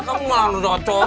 kamu malah rocong